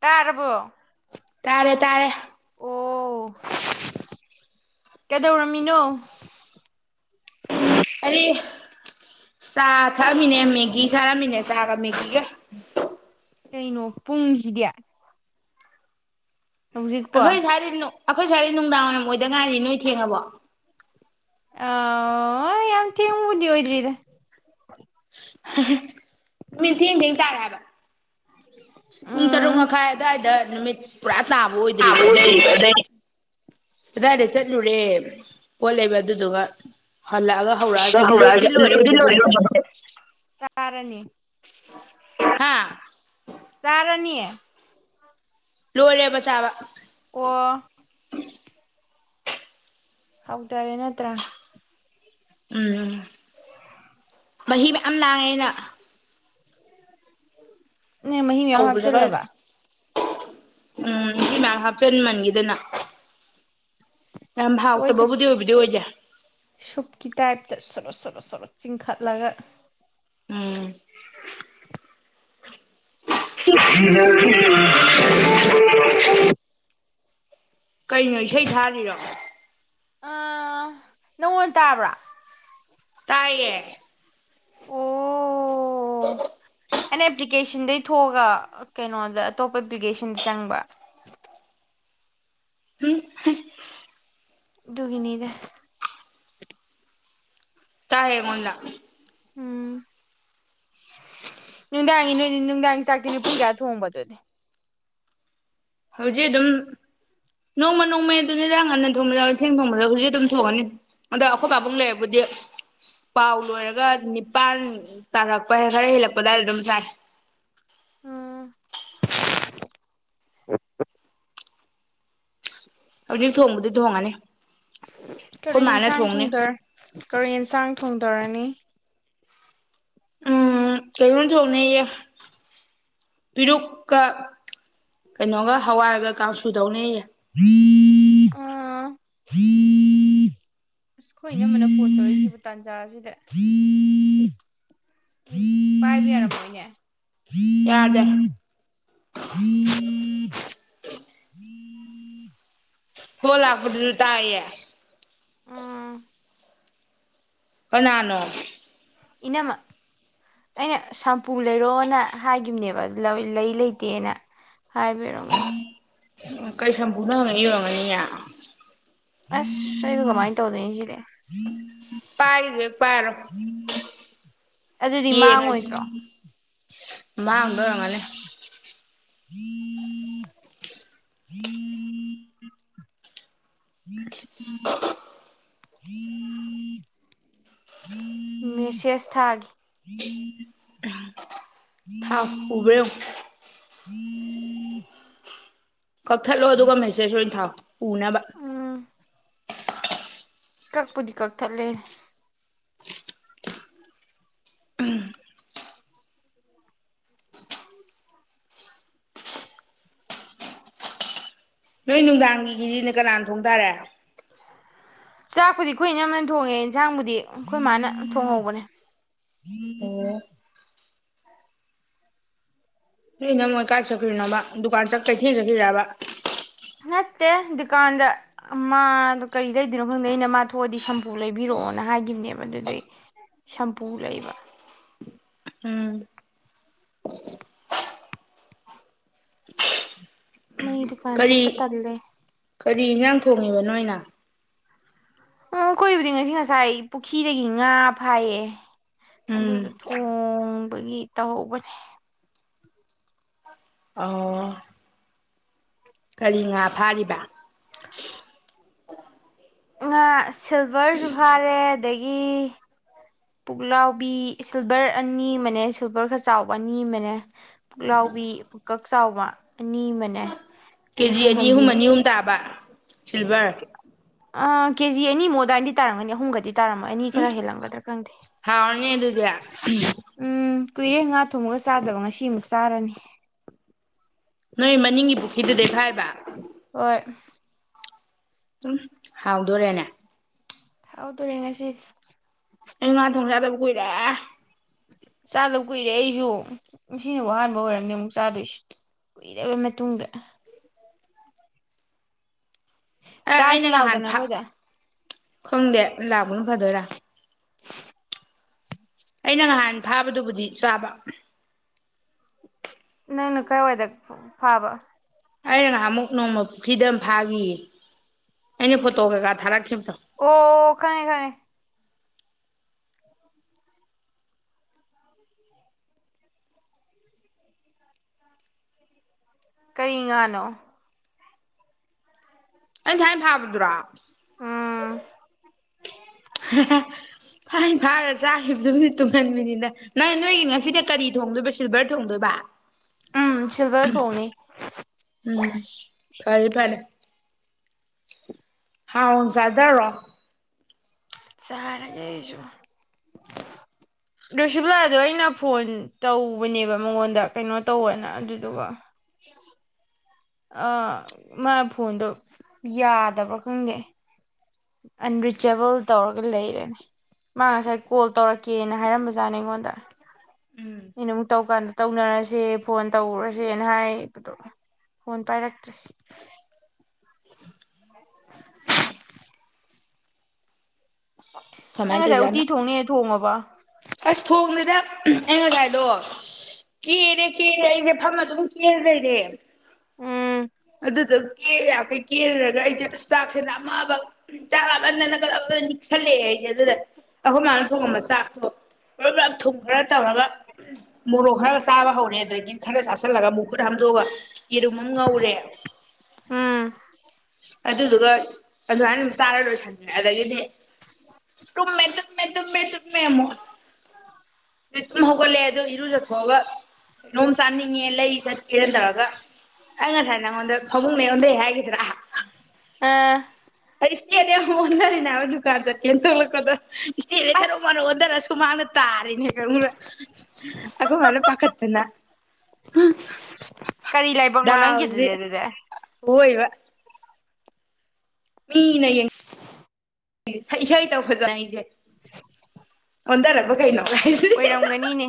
ꯇꯔꯕꯨꯣ ꯇꯥꯔꯦ ꯇꯥꯔꯦ ꯑꯣ ꯀꯩꯗꯧꯔꯝꯃꯤꯅꯣ ꯑꯗꯨꯗꯤ ꯆꯥ ꯊꯛꯑꯝꯃꯤꯅꯦ ꯃꯦꯒꯤ ꯁꯥꯔꯝꯃꯤꯅꯦ ꯆꯥꯒ ꯃꯦꯒꯤꯒ ꯀꯩꯅꯣ ꯄꯨꯡꯁꯤꯗꯤ ꯍꯣꯏ ꯁꯔꯗꯅ ꯑꯩꯈꯣꯏ ꯁꯋꯥꯔꯗꯤ ꯅꯨꯡꯗꯥꯡ ꯋꯥꯏꯔꯝ ꯑꯣꯏꯗ ꯉꯥꯏꯅꯤ ꯅꯣꯏ ꯊꯦꯡꯉꯕꯣ ꯑ ꯌꯥꯝ ꯊꯦꯡꯗꯤ ꯍꯣꯏꯗ꯭ꯔꯤꯗ ꯅꯨꯃꯤꯠ ꯊꯦꯡ ꯊꯦꯡ ꯇꯥꯔꯦ ꯍꯥꯏꯕ ꯇꯨꯡ ꯇꯔꯨ ꯃꯈꯈꯥꯏ ꯑ ꯑꯗꯨꯋꯥꯏꯗ ꯄꯨꯔꯥ ꯇꯥꯕ ꯑꯣꯏꯗ꯭ꯔꯤꯕ ꯑꯗꯏꯗꯤ ꯀꯗꯥꯏꯗ ꯆꯠꯂꯨꯔꯦ ꯑꯣ ꯂꯩꯦꯕ ꯑꯗꯨꯗꯨꯒ ꯍꯜꯂꯛꯑꯒ ꯍꯧꯔꯛꯑꯒ ꯂꯣꯏꯕꯗꯤ ꯂꯣꯏꯔꯦ ꯍꯧꯖꯤꯛꯄꯨꯗꯤ ꯇꯔꯅꯤ ꯍꯥꯥ ꯎ ꯂꯣꯔꯦꯕ ꯆꯥꯕ ꯑꯣ ꯍꯗꯔꯦ ꯅꯠꯇ ꯎꯝ ꯃꯍꯤ ꯃꯌꯥꯝ ꯂꯥꯡꯉꯦꯅ ꯎꯝ ꯅ ꯃꯍꯤ ꯃꯌꯥꯝ ꯍꯧꯕꯗꯒ ꯍꯥꯞꯆꯤꯜꯂꯕ ꯎꯝ ꯁꯤ ꯃ ꯍꯥꯞꯆꯤꯟ ꯃꯟꯈꯤꯗꯅ ꯌꯥꯝ ꯍꯥꯎꯇꯕꯕꯨꯗꯤ ꯑꯣꯏꯕꯨꯗꯤ ꯑꯣꯏꯖꯦ ꯁꯨꯞꯀꯤ ꯇꯥꯏꯞꯇ ꯁꯣꯠ ꯁꯔꯠ ꯁꯔꯠ ꯆꯤꯡꯈꯠꯂꯒ ꯎꯝ ꯍ ꯀꯩꯅꯣ ꯏꯁꯩ ꯊꯥꯔꯤꯔꯣ ꯑꯥ ꯅꯪꯉꯣꯟꯣꯟ ꯇꯥꯕ꯭ꯔꯥ ꯇꯥꯏꯌꯦꯦ ꯑꯣ ꯑꯩꯅ ꯑꯦꯄ꯭ꯂꯤꯀꯦꯁꯟꯗꯩ ꯊꯣꯛꯑꯒ ꯀꯩꯅꯣꯗ ꯑꯇꯣꯞꯄ ꯑꯦꯄ꯭ꯂꯤꯀꯦꯁꯟꯗ ꯆꯪꯕ ꯎꯝ ꯒꯅꯤꯗ ꯇꯥꯑꯦ ꯃꯗ ꯎꯝ ꯅꯨꯡꯗꯥꯡꯒꯤ ꯅ ꯅꯨꯡꯗꯥꯡꯒꯤ ꯆꯥꯛꯇꯤꯣꯏ ꯄꯨꯡ ꯀꯌꯥ ꯊꯣꯡꯕꯗꯨꯗꯤ ꯍꯧꯖꯤꯛ ꯑꯗꯨꯝ ꯅꯣꯡꯃ ꯅꯣꯡꯃꯩ ꯑꯗꯨꯅꯤꯗꯥꯥꯡ ꯉꯟꯅ ꯊꯣꯡꯕꯗ ꯏꯊꯦꯡ ꯊꯣꯡꯕꯗ ꯍꯧꯖꯤꯛ ꯑꯗꯨꯝ ꯊꯣꯡꯉꯅꯤ ꯑꯗꯣ ꯑꯩꯈꯣꯏ ꯄꯥꯕꯨꯡ ꯂꯩꯔꯕꯨꯗꯤ ꯄꯥꯎ ꯂꯣꯏꯔꯒ ꯅꯤꯄꯜ ꯇꯥꯔꯛꯄ ꯈꯔ ꯍꯦꯜꯂꯛꯄ ꯑꯗꯨꯋꯥꯏꯗ ꯑꯗꯨꯝ ꯆꯥꯏ ꯎꯝ ꯍꯧꯖꯤꯛ ꯊꯣꯡꯕꯗꯤ ꯊꯣꯡꯉꯅꯤ ꯀꯔꯤ ꯑꯩꯈꯣꯏ ꯃꯥꯅ ꯌꯦꯟꯁꯥꯡ ꯊꯣꯡꯅꯤ ꯊꯣꯡꯗꯔ ꯀꯔꯤ ꯌꯦꯟꯁꯥꯡ ꯊꯣꯡꯊꯔꯅꯤ ꯎꯝ ꯀꯩꯅꯣ ꯊꯣꯛꯅꯩꯌꯦ ꯄꯤꯔꯨꯛꯀ ꯀꯩꯅꯣꯒ ꯍꯋꯥꯏꯒ ꯀꯥꯡꯁꯨꯗꯧꯅꯩꯌꯦ ꯍ ꯎꯝ ꯑꯁ ꯑꯩꯈꯣꯏ ꯑꯅꯝꯕꯅ ꯐꯣꯟ ꯇꯧꯔꯛꯏꯁꯤꯕ ꯇꯥꯟꯖꯥ ꯑꯁꯤꯗ ꯄꯥꯏꯕ ꯌꯥꯔꯝꯃꯣꯏꯅꯦ ꯌꯥꯔꯗ ꯍꯣꯂꯄꯗꯨ ꯇꯦ ꯄꯅꯥꯅꯣ ꯏꯅꯃ ꯑꯩꯅ ꯁꯝꯄꯨ ꯂꯩꯔꯛꯑꯣꯅ ꯍꯥꯏꯈꯤꯕꯅꯦꯕ ꯂꯩ ꯂꯩꯇꯦꯅ ꯍꯥꯏꯕꯤꯔꯝꯑꯣ ꯂꯩ ꯑꯣ ꯀꯩ ꯁꯝꯕꯨꯅ ꯍꯪꯒꯅꯤ ꯌꯧꯔꯝꯒꯅꯤꯌꯦ ꯑꯁ ꯏꯕ ꯀꯃꯥꯏꯅ ꯇꯧꯗ ꯌꯦꯉꯗꯤꯦ ꯄꯥꯏꯁꯦ ꯄꯥꯔꯣ ꯌꯦꯡꯉꯁꯤ ꯃꯥꯡꯗ ꯑꯣꯏꯔꯝꯒꯅꯤ ꯍ ꯍ ꯎꯝ ꯃꯤꯦꯁꯦꯁ ꯊꯒ ꯊꯥꯎ ꯎꯕꯔꯣ ꯎꯝ ꯀꯛꯊꯠꯂꯣ ꯑꯗꯨꯒ ꯃꯦꯁꯦꯖ ꯑꯣꯏꯅ ꯊꯥꯎ ꯎꯅꯕ ꯀꯛꯄꯨꯗꯤ ꯀꯛꯊꯠꯂꯦ ꯅꯣꯏ ꯅꯨꯡꯗꯥꯡꯒꯤꯒꯤꯗꯤꯅꯦ ꯀꯅꯥꯅ ꯊꯣꯡ ꯇꯔꯦ ꯆꯥꯛꯄꯨꯗꯤ ꯑꯩꯈꯣꯏ ꯏꯅꯝꯅꯅ ꯊꯣꯡꯉꯦ ꯏꯟꯁꯥꯡꯕꯨꯗꯤ ꯑꯩꯈꯣꯏ ꯃꯥꯅ ꯊꯣꯡꯍꯧꯕꯅꯦ ꯍꯝ ꯑꯣ ꯅ ꯅ ꯃꯣꯏ ꯀꯥꯏꯆꯈ꯭ꯔꯤꯅꯣꯕ ꯗꯨꯀꯥꯟ ꯆꯠ ꯀꯩ ꯊꯦꯡꯖꯈꯤꯕ ꯅꯠꯇꯦ ꯗꯨꯀꯥꯟꯗ ꯃꯥꯗ ꯀꯔꯤ ꯂꯩꯗꯣꯏꯅꯣ ꯈꯪꯗꯦ ꯑꯩꯅ ꯃꯥ ꯊꯣꯛꯑꯗꯤ ꯁꯝꯄꯨ ꯂꯩꯕꯤꯔꯛꯑꯣꯅ ꯍꯥꯏꯒꯤꯈꯤꯕꯅꯦꯕ ꯑꯗꯨꯗꯩ ꯁꯝꯄꯨ ꯂꯩꯕ ꯎꯝ ꯃꯩ ꯗꯨꯀꯥꯟ ꯊꯣꯛꯄ ꯀꯔꯤ ꯇꯜꯂꯦ ꯀꯔꯤ ꯏꯟꯖꯥꯡ ꯈꯣꯡꯉꯤꯕ ꯅꯣꯏꯅ ꯎꯝ ꯑꯩꯈꯣꯏꯕꯨꯗꯤ ꯉꯁꯤ ꯉꯁꯥꯏ ꯄꯨꯈ꯭ꯔꯤꯗꯒꯤ ꯉꯥ ꯐꯥꯏꯌꯦ ꯎꯝ ꯑꯗꯨꯗꯣ ꯊꯣꯡꯕꯒꯤ ꯇꯧꯍꯧꯕꯅꯦ ꯀꯔꯤꯉ ꯐꯥꯔꯤꯕ ꯉꯥ ꯁꯤꯜꯚꯔꯁꯨ ꯐꯥꯔꯦ ꯑꯗꯒꯤ ꯄꯨꯛꯂꯥꯎꯕꯤ ꯁꯤꯜꯚꯔ ꯑꯅꯤ ꯑꯃꯅꯦ ꯁꯤꯜꯚꯔ ꯈꯔ ꯆꯥꯎꯕ ꯑꯅꯤ ꯑꯃꯅꯦ ꯄꯨꯛꯂꯥꯎꯕꯤ ꯄꯨꯀꯛ ꯆꯥꯎꯕ ꯑꯅꯤ ꯑꯃꯅꯦ ꯀꯦꯖꯤ ꯑꯅꯤ ꯑꯍꯨꯝ ꯑꯅꯤ ꯑꯍꯨꯝ ꯇꯥꯕ ꯁꯤꯜꯚꯔ ꯀꯦꯖꯤ ꯑꯅꯤꯃꯨꯛ ꯑꯗꯨꯋꯥꯏꯗꯤ ꯇꯥꯔꯝꯒꯅꯤ ꯑꯍꯨꯝꯒꯗꯤ ꯇꯥꯔꯝꯃꯣ ꯑꯅꯤ ꯎꯝ ꯈꯔ ꯍꯦꯜꯂꯝꯒꯗ꯭ꯔꯥ ꯈꯪꯗꯦ ꯍꯥꯎꯔꯅꯤ ꯑꯗꯨꯗꯤ ꯎꯝ ꯀꯨꯏꯔꯦ ꯉꯥ ꯊꯣꯡꯉꯒ ꯆꯥꯗꯕ ꯉꯁꯤꯃꯨꯛ ꯆꯥꯔꯅꯤ ꯅꯣꯏꯃꯅꯤ ꯄꯨꯈ ꯇ ꯗꯦꯚꯥꯏꯕ ꯎꯝ ꯍꯥꯎꯗꯣꯣꯔꯦꯅꯦ ꯍꯥꯎꯗ ꯔꯦ ꯉꯁꯤꯔꯤ ꯑꯩ ꯃꯥꯊꯗꯕꯨ ꯀꯏꯔ ꯆꯥꯗꯕ ꯀꯨꯏꯔꯦ ꯑꯩꯁꯨ ꯁꯤꯅꯍꯥꯟꯕ ꯑꯣꯏꯔꯝꯅꯤ ꯑꯃꯨꯛ ꯆꯥꯗꯣꯏꯁꯤ ꯀꯨꯏꯔꯕ ꯃꯇꯨꯡꯗ ꯑ ꯑꯩꯅ ꯉꯍꯥꯟ ꯈꯪꯗꯦ ꯂꯥꯛꯑꯣ ꯎ ꯐꯗꯔꯥ ꯑꯩꯅ ꯉꯍꯥꯟ ꯐꯥꯕꯗꯨꯕꯨꯗꯤ ꯆꯥꯕ ꯅꯅꯅꯨꯡ ꯀꯥꯏ ꯑꯣꯏꯏꯗ ꯐꯥꯕ ꯑꯩꯅ ꯉꯥꯏꯍ ꯑꯃꯨꯛ ꯅꯣꯡꯃ ꯐ꯭ꯔꯤꯗꯝ ꯐꯥꯈꯤ ꯑꯩꯅ ꯐꯣꯇꯣ ꯀꯩꯀꯥ ꯊꯥꯔꯛꯈꯤꯕ ꯑꯣ ꯈꯥꯏ ꯈꯥꯏ ꯀꯔꯤ ꯉꯥꯅꯣ ꯑ ꯍꯥꯏꯥꯏ ꯐꯕꯗꯨ꯭ꯔꯥ ꯍ ꯐ ꯐ ꯆꯥꯈꯤꯕꯗꯨꯗꯤꯠꯇꯨꯡ ꯅꯟꯃꯤꯅꯤꯗ ꯅꯪ ꯅꯣꯏꯒꯤ ꯉꯁꯤꯗꯤ ꯀꯔꯤ ꯊꯣꯡꯗꯣꯏꯕ ꯁꯤꯜꯚꯔ ꯊꯣꯡꯗꯣꯏꯕ ꯎꯝ ꯐꯔꯦ ꯈꯔꯦ ꯍꯥꯎ ꯆꯥꯗꯔꯣ ꯆꯥꯔꯒꯦ ꯑꯩꯁꯨ ꯔꯣꯁꯤꯕꯤꯂꯥꯗꯣ ꯑꯩꯅ ꯐꯣꯟ ꯇꯧꯕꯅꯦꯕ ꯃꯉꯣꯟꯗ ꯀꯩꯅꯣ ꯇꯧꯅ ꯑꯗꯨꯗꯨꯒ ꯑꯥ ꯃꯥ ꯐꯣꯟꯗꯣ ꯌꯥꯗꯕ꯭ꯔꯣ ꯈꯪꯗꯦ ꯑꯟꯔꯤꯆꯦꯕꯜ ꯇꯧꯔꯒ ꯂꯩꯔꯦꯅꯦ ꯃꯥ ꯉꯁꯥꯏ ꯀꯣꯜ ꯇꯧꯔꯛꯀꯦꯅ ꯍꯥꯏꯔꯝꯕꯖꯥꯠꯅꯦ ꯑꯩꯉꯣꯟꯗ ꯎꯝ ꯑꯩꯅ ꯑꯃꯨꯛ ꯇꯧꯀꯥꯟꯗ ꯇꯧꯅꯔꯁꯦ ꯐꯣꯟ ꯇꯧꯔꯁꯦꯅ ꯍꯥꯏꯔꯛꯏꯕꯗꯣ ꯐꯣꯟ ꯄꯥꯏꯔꯛꯇ꯭ꯔꯦ ꯐꯃꯥꯏꯇꯖꯅ ꯑꯁ ꯊꯒꯅꯤꯗ ꯑꯩꯅꯒꯥꯏꯗꯣ ꯀꯦꯔꯦ ꯀꯦꯔꯦ ꯑꯩꯁꯦ ꯐꯝ ꯑꯗꯨꯝ ꯀꯦꯂ ꯂꯩꯔꯦ ꯑꯗꯨꯗ ꯀꯦꯦ ꯀꯦꯜꯔꯨꯔꯒ ꯑꯩꯁꯦ ꯏꯁꯇꯥꯥꯛꯁꯤꯦꯅ ꯃꯥ ꯃꯥꯟꯅ ꯆꯥꯜ ꯂꯥꯝꯃꯥꯟꯗꯅ ꯀꯔꯔ ꯁꯜꯂꯦ ꯑꯩꯁꯦ ꯌꯦꯗꯨꯂ ꯑꯍꯨꯝ ꯃꯥꯅ ꯊꯣꯛꯣꯡꯑꯕ ꯆꯥꯛꯊ ꯄꯨꯞ ꯄꯨꯞ ꯊꯨꯝ ꯈꯔ ꯇꯧꯔꯒ ꯃꯣꯔꯣꯛ ꯈꯔ ꯆꯥꯕ ꯍꯧꯔꯦ ꯑꯗꯨꯗꯒꯤ ꯈꯔ ꯆꯥꯥꯁꯜꯂꯒ ꯃꯈꯨꯨꯠ ꯍꯥꯝꯗꯣꯛꯑꯒ ꯌꯦꯔꯨꯝ ꯑꯃ ꯉꯧꯔꯦ ꯑꯗꯨꯗꯨꯒ ꯑꯗꯨꯃꯥꯏꯅ ꯑꯗꯨꯝ ꯆꯥꯔ ꯂꯣꯏꯁꯟꯈ꯭ꯔꯦ ꯑꯗꯒꯤꯗꯤ ꯇꯨꯝꯃꯦ ꯇꯨꯝꯃꯦ ꯇꯨꯝꯃꯦ ꯇꯨꯝꯃꯦ ꯑꯃꯨꯛ ꯇꯨꯝ ꯍꯧꯒꯠꯂꯦ ꯑꯗꯨꯗꯣ ꯏꯔꯨꯖꯊꯣꯛꯑꯒ ꯀꯩꯅꯣꯝ ꯆꯥꯅꯤꯡꯉꯦ ꯂꯩ ꯆꯠꯀꯦꯅ ꯇꯧꯔꯒ ꯑꯩ ꯉꯁꯥꯏ ꯅꯉꯣꯟꯗ ꯐꯃꯨꯡꯅꯦ ꯑꯩꯉꯣꯟꯗꯩ ꯍꯥꯏꯈꯤꯗ ꯑꯝ ꯏꯁꯀꯤ ꯑꯗꯤ ꯑꯣꯟꯅꯔꯤꯅꯦ ꯗꯨ ꯀꯥꯟ ꯆꯠ ꯀꯦꯟ ꯊꯣꯡꯂꯛꯄꯗ ꯏꯁꯇꯦꯁꯦ ꯊꯔꯣ ꯃꯔꯣꯛ ꯑꯣꯟꯊꯔꯁꯨ ꯃꯥꯅ ꯇꯥꯔꯤꯅꯦ ꯈ ꯑꯩꯈ ꯃꯥꯅ ꯄꯥꯈꯠꯇꯅ ꯗꯥꯎꯁꯦ ꯑꯣꯏꯕ ꯃꯤꯅꯡ ꯏꯁꯩ ꯇꯧ ꯐꯖꯅ ꯑꯩꯁꯦ [unintelligible] ꯑꯣꯗꯔꯕ ꯀꯥꯏꯩꯅꯣ ꯑꯣꯏꯔꯝꯒꯅꯤꯅꯦ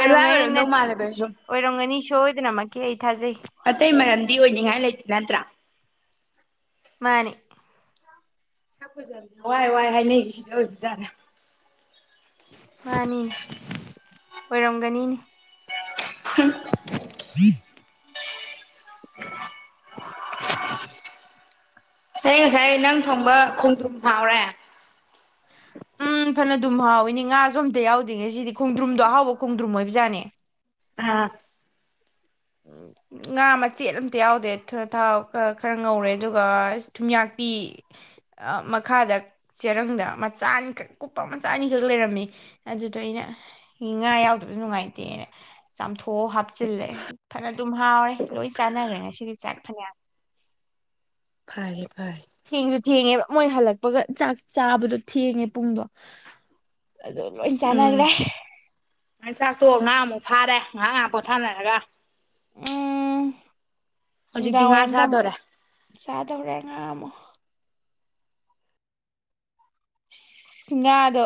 ꯑꯗꯨꯃꯥꯏ ꯑꯣꯏꯔꯝꯗꯧ ꯃꯥꯜꯂꯦꯕ ꯁꯨꯝ ꯑꯣꯏꯔꯝꯒꯅꯤ ꯁꯣꯏꯗꯅꯃꯛꯀꯤ ꯀ ꯑꯩ ꯊꯖꯦ ꯑꯇꯩ ꯃꯔꯝꯗꯤ ꯑꯣꯏꯅꯤꯡꯉꯥꯏ ꯂꯩꯇꯦ ꯅꯠꯇ꯭ꯔꯥ ꯃꯥꯅꯤ ꯆꯄꯖꯕꯅꯦ ꯋꯥꯏ ꯋꯥꯏ ꯍꯥꯏꯅꯩ ꯁꯤꯗꯖꯥꯔꯦ [unintelligible] ꯃꯥꯅꯤꯅꯦ ꯑꯣꯏꯔꯝꯒꯅꯤꯅꯦ ꯎꯝ ꯎ [unintelligible] ꯍ ꯉꯁꯥꯏ ꯅꯪ ꯊꯣꯡꯕ ꯈꯣꯡꯗ꯭ꯔꯨꯝ ꯐꯥꯎꯔꯦ ꯎꯝ ꯐꯅ ꯑꯗꯨꯝ ꯍꯥꯎꯋꯤꯅꯦ ꯉꯥꯁꯨ ꯑꯝꯇ ꯌꯥꯎꯗ꯭ꯔꯤꯉꯦ ꯁꯤꯗꯤ ꯈꯣꯡꯗ꯭ꯔꯨꯝꯗꯣ ꯑꯍꯥꯎꯕ ꯈꯣꯡꯗ꯭ꯔꯨꯝ ꯑꯣꯏꯕꯖꯥꯠꯅꯦ ꯑꯥ ꯉꯥ ꯃꯆꯦꯠ ꯑꯝꯇ ꯌꯥꯎꯗꯦ ꯊꯥꯎ ꯈ ꯈꯔ ꯉꯧꯔꯦ ꯑꯗꯨꯒ ꯊꯨꯝꯌꯥꯛꯄꯤ ꯃꯈꯥꯗ ꯆꯦꯔꯪꯗ ꯃꯆꯥꯅꯤꯈꯛ ꯀꯨꯞꯄ ꯃꯆꯥ ꯑꯅꯤꯈꯛ ꯂꯩꯔꯝꯃꯤ ꯑꯗꯨꯗꯣ ꯑꯩꯅ ꯉꯥ ꯌꯥꯎꯗꯕꯁꯨ ꯅꯨꯡꯉꯥꯏꯇꯦꯅ ꯆꯥꯝꯊꯣꯛ ꯍꯥꯞ ꯆꯤꯜꯂꯦ ꯑꯗꯨꯝ ꯍꯥꯎꯔꯦ ꯂꯣꯏ ꯆꯥꯟꯅꯈ꯭ꯔꯦ ꯉꯁꯤꯗꯤ ꯆꯥꯛ ꯐꯅꯌꯥꯝ ꯐꯔꯦ ꯐꯔꯦ ꯊꯦꯡꯉꯦꯕ ꯃꯣꯏ ꯍꯜꯂꯛꯄꯒ ꯆꯥꯛ ꯆꯥꯕꯗꯣ ꯊꯦꯡꯉꯦ ꯄꯨꯡꯗꯣ ꯑꯗꯨ ꯂꯣꯏ ꯆꯥꯟꯅꯈ꯭ꯔꯦ ꯉ ꯆꯥꯛꯇꯣ ꯉꯍꯥ ꯑꯃꯨꯛ ꯐꯥꯔꯦ ꯉꯥꯏꯍ ꯉꯍꯥꯛ ꯄꯣꯊꯥꯅꯔꯒ ꯍꯧꯖꯤꯛꯇꯤ ꯉꯥ ꯅꯨꯡꯗꯥꯡꯋꯥꯏꯔꯝꯗ ꯑꯃꯨꯛ ꯆꯥꯗꯣꯔꯦ ꯆꯥꯗꯧꯔꯦ ꯉꯥ ꯑꯃꯨꯛ ꯉꯥꯗꯣ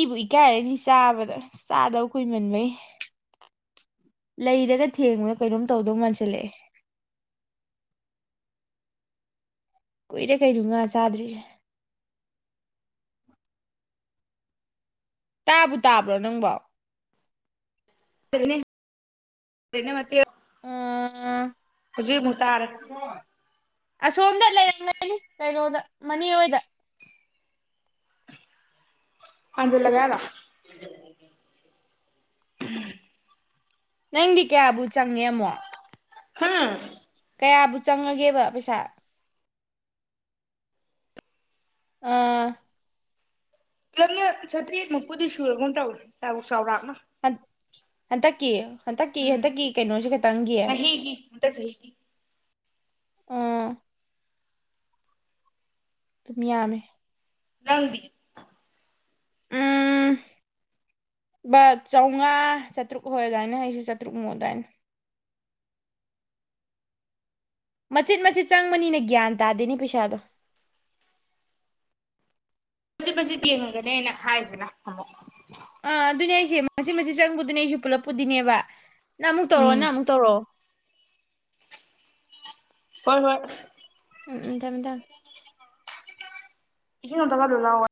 ꯏꯕꯨ ꯏꯀꯥꯏꯔꯅꯤ ꯆꯥꯕꯗ ꯆꯥꯗꯕ ꯀꯨꯏꯃꯟꯕꯩ ꯂꯩꯔꯒ ꯊꯦꯡꯕꯅ ꯀꯩꯅꯣꯝ ꯇꯧꯗꯧ ꯃꯥꯟꯁꯤꯜꯂꯛꯑꯦ ꯀꯨꯏꯔꯦ ꯀꯩꯅꯣ ꯉꯥ ꯆꯥꯗ꯭ꯔꯤꯁꯦ ꯇꯥꯕꯨ ꯇꯥꯕ꯭ꯔꯣ ꯅꯪꯕꯎ ꯃ ꯍꯧꯖꯤ ꯃꯨ ꯇꯔ ꯁꯣꯝꯗ ꯂꯩꯔꯝꯉꯅꯤ ꯀꯩꯅꯣꯗ ꯃꯅꯤ ꯍꯣꯏꯗ ꯑꯖꯤ ꯂꯒꯔ ꯅꯪꯗꯤ ꯀꯌꯥꯕꯨ ꯆꯪꯉꯦ ꯑꯃꯃꯣ ꯍꯥꯥ ꯀꯌꯥꯕꯨ ꯆꯪꯉꯒꯦꯕ ꯄꯩꯁꯥ ꯑꯥ ꯏꯪ ꯆꯇ ꯃꯄꯨꯗꯤ ꯁꯒ ꯎ ꯇꯥꯎ ꯇ ꯍꯟꯗꯛꯀꯤ ꯍꯟꯗꯛꯀꯤ ꯎꯝ ꯍꯟꯗꯛꯀꯤ ꯀꯩꯅꯣꯁꯨ ꯈꯇꯪꯒꯤꯌꯦ ꯆꯍꯤꯒꯤ ꯍꯟꯗꯛ ꯆꯍꯤꯒꯤ ꯑ ꯑꯗꯨ ꯌꯥꯃꯦ ꯅ ꯎꯝ ꯕꯁ ꯆꯥꯝꯃꯉꯥ ꯆꯥꯇ꯭ꯔꯨꯛ ꯍ ꯑꯗꯨꯗꯥꯏꯅꯦ ꯑꯩꯁꯨ ꯆꯥꯇ꯭ꯔꯨꯛꯃꯨꯛ ꯑꯗꯨꯏꯅꯦ ꯃꯆꯤꯠ ꯃꯆꯤꯠ ꯆꯪꯕꯅꯤꯅ ꯒ꯭ꯌꯥꯟ ꯇꯥꯗꯦꯅꯤ ꯄꯩꯁꯥꯗꯣ ꯍꯧꯆꯠ ꯐꯆꯠ ꯌꯦꯡꯉꯒꯅꯦꯅ ꯍꯥꯏꯗꯅ ꯑꯃꯨꯛ ꯑꯥ ꯑꯗꯨꯅꯦ ꯑꯩꯁꯦ ꯃꯁꯤꯃ ꯆꯪꯕꯗꯨꯅꯦ ꯑꯩꯁꯨ ꯄꯨꯂꯞꯄꯨꯗꯤꯅꯦꯕ ꯅꯪ ꯑꯃꯨꯛ ꯇꯧꯔꯛꯑꯣ ꯎꯝ ꯅꯪ ꯑꯃꯨꯛ ꯇꯧꯔꯛꯑꯣ ꯍꯣꯏ ꯍꯣꯏ ꯎꯝ ꯎꯝꯗꯥꯝꯃꯦꯗꯥ ꯏ ꯅꯠꯇꯒꯗꯂ